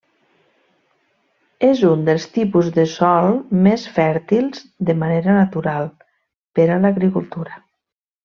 És un dels tipus de sòl més fèrtils, de manera natural, per a l'agricultura.